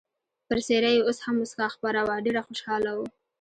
پر څېره یې اوس هم مسکا خپره وه، ډېر خوشحاله و.